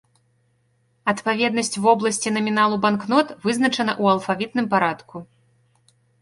Адпаведнасць вобласці наміналу банкнот вызначана ў алфавітным парадку.